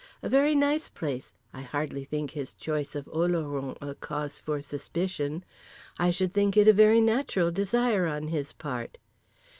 A very nice place, I hardly think his choice of Oloron a cause for suspicion. I should think it a very natural desire on his part."